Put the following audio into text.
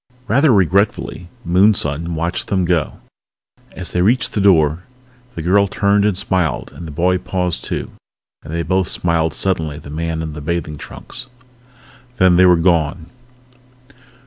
Rather regretfully Moonson watched them go. As they reached the door the girl turned and smiled and the boy paused too and they both smiled suddenly at the man in the bathing trunks. Then they were gone.